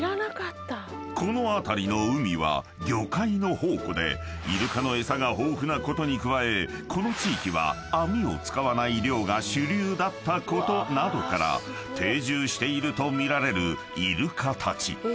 ［この辺りの海は魚介の宝庫でイルカの餌が豊富なことに加えこの地域は網を使わない漁が主流だったことなどから定住しているとみられるイルカたち］